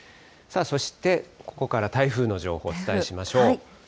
そしてここから台風の情報をお伝えしましょう。